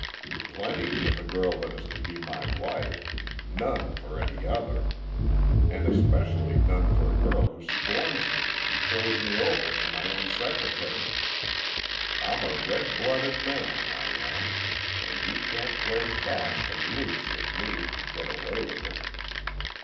"Plenty for the girl that is to be my wife. None for any other. And especially none for a girl who scorns me and throws me over for my own secretary. I'm a red blooded man, I am, and you can't play fast and loose with me and get away with it!"